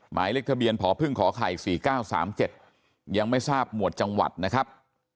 หมายเลขทะเบียนพพไข่๔๙๓๗ยังไม่ทราบหมวดจังหวัดนะครับ